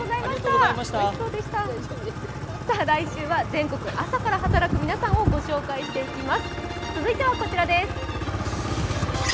来週は全国朝から働く皆さんを御紹介していきます。